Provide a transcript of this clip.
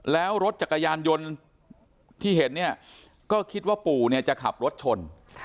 แล้วรถจักรยานยนต์ที่เห็นเนี่ยก็คิดว่าปู่จะขับรถชน